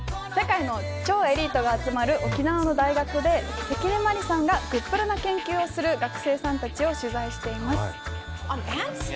世界の超エリートが集まる沖縄の大学で関根麻里さんがグップラな研究をする学生さんたちを取材しています。